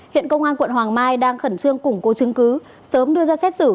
hiện công an quận hoàng mai đang khẩn trương củng cố chứng cứ sớm đưa ra xét xử các đối tượng trước pháp luật